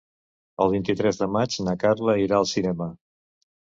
El vint-i-tres de maig na Carla irà al cinema.